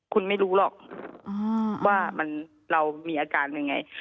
คุณไม่รู้หรอกว่าเรามีอาการยังไง